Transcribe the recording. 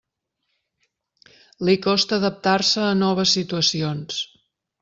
Li costa adaptar-se a noves situacions.